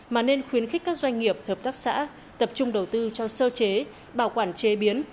mà nên khuyến khích các doanh nghiệp hợp tác xã tập trung đầu tư cho sơ chế bảo quản chế biến